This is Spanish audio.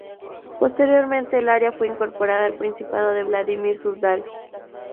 Posteriormente, el área fue incorporada al Principado de Vladímir-Súzdal.